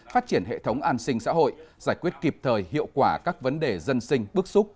phát triển hệ thống an sinh xã hội giải quyết kịp thời hiệu quả các vấn đề dân sinh bước xúc